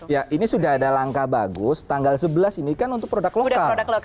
ya ini sudah ada langkah bagus tanggal sebelas ini kan untuk produk lokal